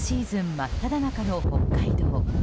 真っただ中の北海道。